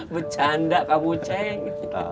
bercanda kamu ceng